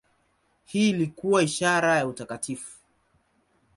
Hii ilikuwa ishara ya utakatifu.